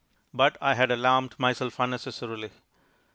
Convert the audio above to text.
But I had alarmed myself unnecessarily.